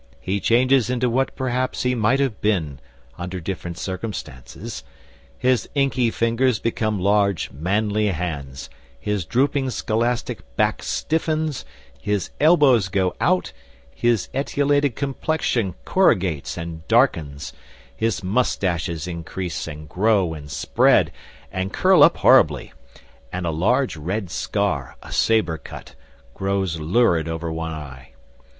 He changes into what perhaps he might have been under different circumstances. His inky fingers become large, manly hands, his drooping scholastic back stiffens, his elbows go out, his etiolated complexion corrugates and darkens, his moustaches increase and grow and spread, and curl up horribly; a large, red scar, a sabre cut, grows lurid over one eye.